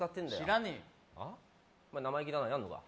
知らねえよお前生意気だなやんのか？